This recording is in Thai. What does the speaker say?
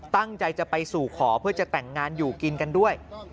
ตั้งใจจะไปสู่ขอเพื่อจะแต่งงานอยู่กินกันด้วย